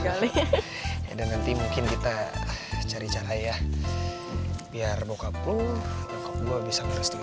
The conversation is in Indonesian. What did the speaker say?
kalau gak ke phone mereka nggak bisa nyalakan kata su ips nangka message